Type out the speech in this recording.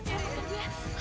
jangan nyariin gue